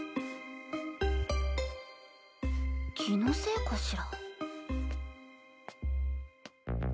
気のせいかしら。